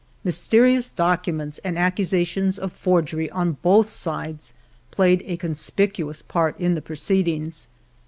Mysterious documents and accusations of forgery on both sides played a conspicuous part in the proceedings.